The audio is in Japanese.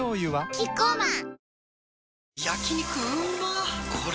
キッコーマン